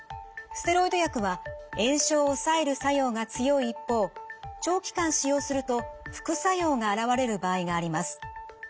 ステロイド薬は炎症を抑える作用が強い一方長期間使用すると副作用が現れる場合があります。